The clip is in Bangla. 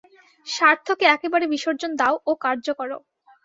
স্বার্থকে একেবারে বিসর্জন দাও ও কার্য কর।